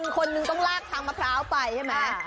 คนนึงต้องลากทางมะพร้าวไปใช่ไหม